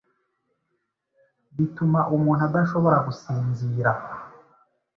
bituma umuntu adashobora gusinzira.